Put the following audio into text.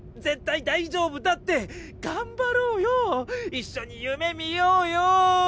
一緒に夢見ようよ！